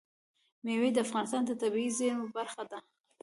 مېوې د افغانستان د طبیعي زیرمو برخه ده.